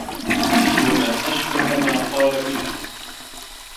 وَمَا أَشْبَهَ مَا قَالَ بِالْحَقِّ